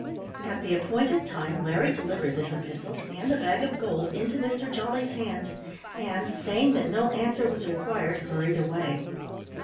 At the appointed time Larry delivered this epistle, and the bag of gold into Mr Jolly's hands, and, saying that no answer was required, hurried away.